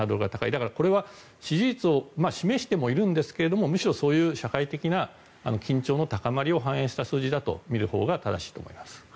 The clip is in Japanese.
だからこれは支持率を示してもいるんですがむしろそういう社会的な緊張の高まりを反映した数字だと見るほうが正しいと思います。